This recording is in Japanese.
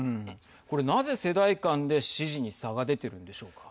これ、なぜ世代間で支持に差が出てるんでしょうか。